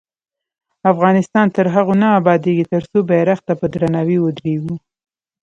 افغانستان تر هغو نه ابادیږي، ترڅو بیرغ ته په درناوي ودریږو.